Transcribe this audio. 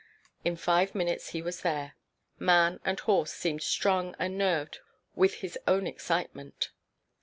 In five minutes he was there. Man and horse seemed strung and nerved with his own excitement.